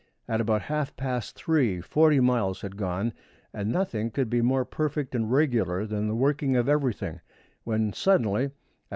At about half past three forty miles had gone, and nothing could be more perfect and regular than the working of everything, when suddenly, at 3.